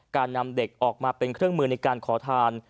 การนำเด็กออกมาเป็นเครื่องมือในการขอทาน